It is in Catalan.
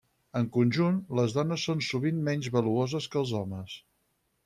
En conjunt, les dones són sovint menys valuoses que els homes.